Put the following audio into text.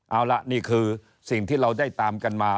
เอาละนี่คือสิ่งที่เราได้ตามกันมา